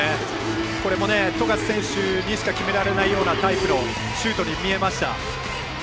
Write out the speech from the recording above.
これも富樫選手にしか決められないようなタイプのシュートに見えました。